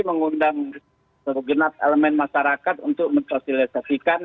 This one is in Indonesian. mengundang segenap elemen masyarakat untuk mensosialisasikan